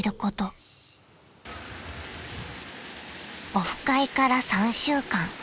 ［オフ会から３週間］